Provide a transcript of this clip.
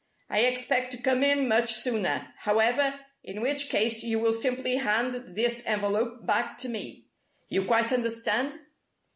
I expect to come in much sooner, however in which case you will simply hand this envelope back to me. You quite understand?"